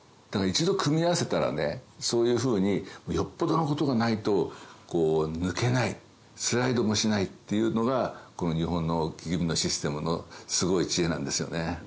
だから一度組み合わせたらねそういうふうによっぽどのことがないと抜けないスライドもしないっていうのがこの日本の木組みのシステムのすごい知恵なんですよね。